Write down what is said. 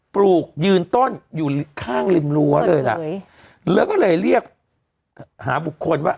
ปลูกยืนต้นอยู่ข้างริมรั้วเลยล่ะแล้วก็เลยเรียกหาบุคคลว่า